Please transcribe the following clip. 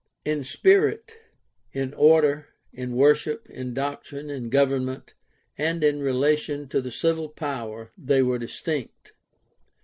In spirit, in order, in worship, in doctrine, in government, and in relation to the civil power they were distinct.